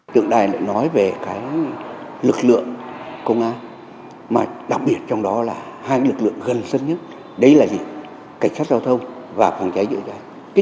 tượng đài nói về lực lượng công an đặc biệt trong đó là hai lực lượng gần sân nhất đấy là gì cảnh sát giao thông và phòng trái dự trái